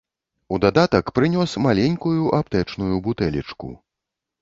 У дадатак прынёс маленькую аптэчную бутэлечку.